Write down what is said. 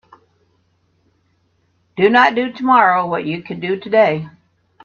Do not do tomorrow what you could do today.